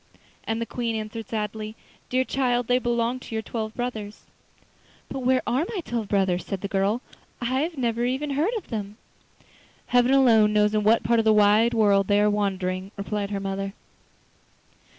And the Queen answered sadly: 'Dear child, they belong to your twelve brothers.' 'But where are my twelve brothers?' said the girl. 'I have never even heard of them.' 'Heaven alone knows in what part of the wide world they are wandering,' replied her mother.